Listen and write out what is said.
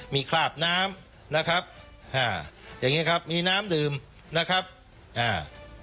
มีคราบน้ำนะครับอ่าอย่างงี้ครับมีน้ำดื่มนะครับอ่า